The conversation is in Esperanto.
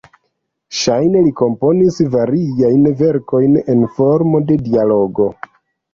Ŝajne li komponis variajn verkojn en formo de dialogo.